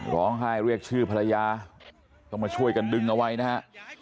ร้องไห้เรียกชื่อภรรยาต้องมาช่วยกันดึงเอาไว้นะฮะ